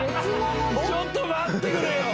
ちょっと待ってくれよ！